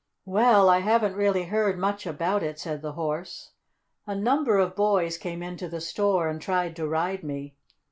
"Well, I haven't really heard much about it," said the Horse. "A number of boys came into the store and tried to ride me.